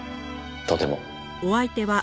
とても。